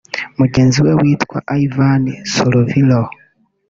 Mugenzi we witwa Ivan Sourvillo